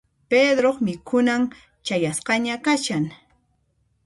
Pedroq mikhunan chayasqaña kashan.